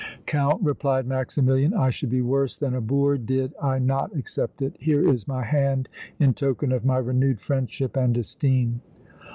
"Count," replied Maximilian, "I should be worse than a boor did I not accept it. Here is my hand in token of my renewed friendship and esteem."